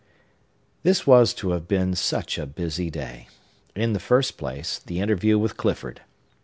This was to have been such a busy day. In the first place, the interview with Clifford.